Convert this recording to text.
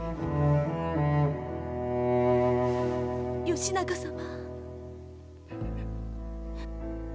義仲様。